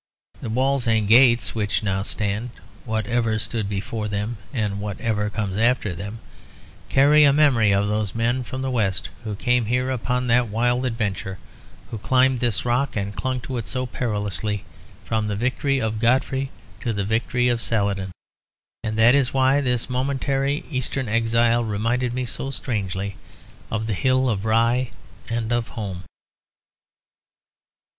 The wall and gates which now stand, whatever stood before them and whatever comes after them, carry a memory of those men from the West who came here upon that wild adventure, who climbed this rock and clung to it so perilously from the victory of Godfrey to the victory of Saladin; and that is why this momentary Eastern exile reminded me so strangely of the hill of Rye and of home.